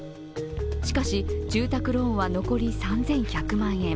しかし、住宅ローンは残り３１００万円。